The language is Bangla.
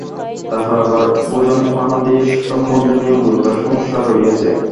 তারপর আবার ভোজনপানাদি-সম্বন্ধীয় গুরুতর সমস্যা রহিয়াছে।